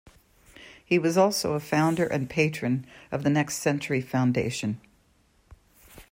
He was also a founder and patron of the Next Century Foundation.